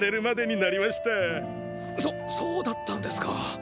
そそうだったんですか。